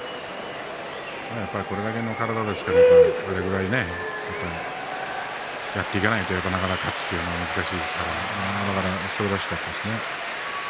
やっぱり、これだけの体ですからこれぐらいやっていけないとなかなか勝つのは難しいからすばらしかったですね。